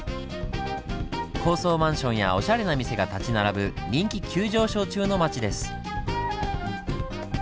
高層マンションやおしゃれな店が立ち並ぶ人気急上昇中の町です。